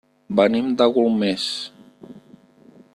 Venim de Golmés.